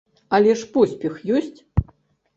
Але ж поспех ёсць?